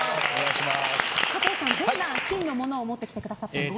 加藤さんどんな金のものを持ってきてくれたんですか？